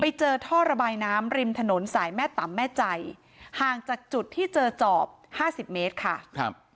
ไปเจอท่อระบายน้ำริมถนนสายแม่ต่ำแม่ใจห่างจากจุดที่เจอจอบห้าสิบเมตรค่ะครับ